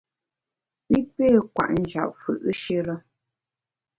I pé kwet njap fù’shire.